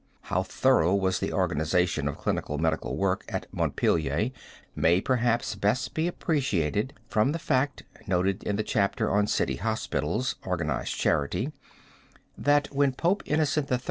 How thorough was the organization of clinical medical work at Montpelier may perhaps best be appreciated from the fact, noted in the chapter on City Hospitals Organized Charity, that when Pope Innocent III.